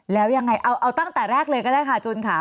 แล้วยังไงเอาตั้งแต่แรกเลยก็ได้ค่ะจุนค่ะ